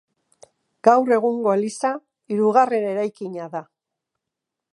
Gaur egungo eliza hirugarren eraikina da.